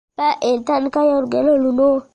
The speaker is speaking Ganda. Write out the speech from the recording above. Mpa entandikwa y’olugero luno.